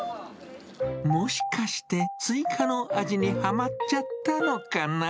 もしかしてスイカの味にはまっちゃったのかな。